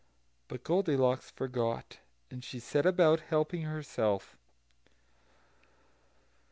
But Goldilocks forgot, and set about helping herself.